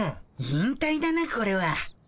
引たいだなこれは。